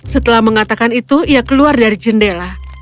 setelah mengatakan itu ia keluar dari jendela